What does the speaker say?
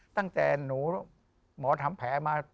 ตั้งแต่หนูหมอทำแผลมา